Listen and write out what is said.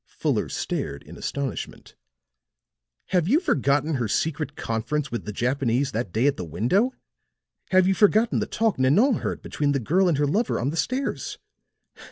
Fuller stared in astonishment. "Have you forgotten her secret conference with the Japanese that day at the window? Have you forgotten the talk Nanon heard between the girl and her lover on the stairs?